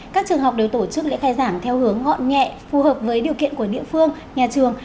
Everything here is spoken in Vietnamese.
các trường học đều tổ chức lễ khai giảng theo hướng gọn nhẹ phù hợp với điều kiện của địa phương nhà trường